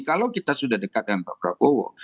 kalau kita sudah dekat dengan pak prabowo